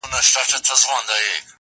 د جرگې ټولو ښاغلو موږكانو!!